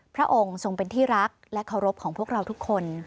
พระองค์ทรงเป็นที่รักและเคารพของพวกเราทุกคน